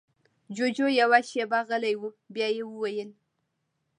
جُوجُو يوه شېبه غلی و، بيا يې وويل: